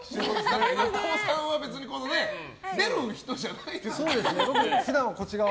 横尾さんは出る人じゃないですよね。